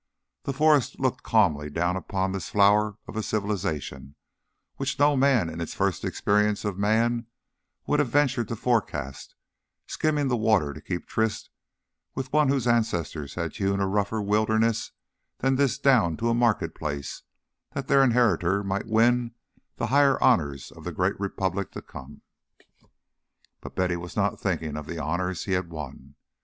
The forest looked calmly down upon this flower of a civilization which no man in its first experience of man would have ventured to forecast, skimming the water to keep tryst with one whose ancestors had hewn a rougher wilderness than this down to a market place that their inheritor might win the higher honours of the great Republic to come. But Betty was not thinking of the honours he had won.